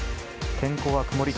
天候は曇り。